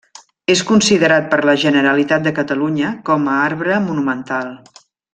És considerat per la Generalitat de Catalunya com a Arbre Monumental.